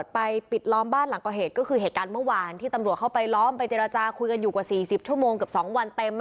ปิดล้อมบ้านหลังก่อเหตุก็คือเหตุการณ์เมื่อวานที่ตำรวจเข้าไปล้อมไปเจรจาคุยกันอยู่กว่า๔๐ชั่วโมงเกือบ๒วันเต็ม